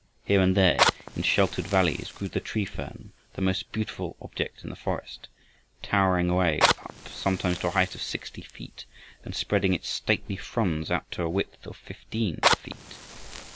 Here and there, in sheltered valleys, grew the tree fern, the most beautiful object in the forest, towering away up sometimes to a height of sixty feet, and spreading its stately fronds out to a width of fifteen feet.